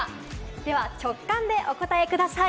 では直感でお答えください。